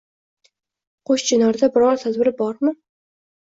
-Qo’shchinorda biror tadbir bormi?